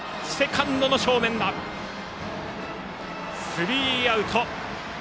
スリーアウト。